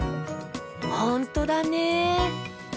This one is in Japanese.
ほんとだね。